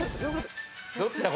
どっちだ？